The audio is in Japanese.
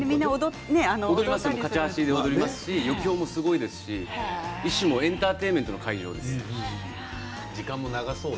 カチャーシーで踊りますし余興もすごいですし一種のエンターテインメントの会場です。